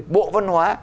bộ văn hóa